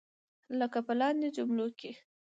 لکه په لاندې جملو کې.